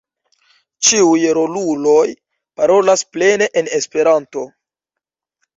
Ĉiuj roluloj parolas plene en Esperanto.